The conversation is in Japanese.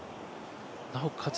なおかつ